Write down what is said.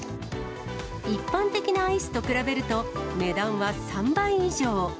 一般的なアイスと比べると、値段は３倍以上。